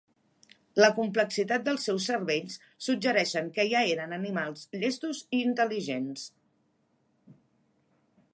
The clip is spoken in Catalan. La complexitat dels seus cervells suggereixen que ja eren animals llestos i intel·ligents.